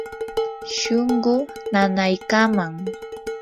shunquu nanaykaman.